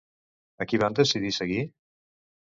A qui van decidir seguir?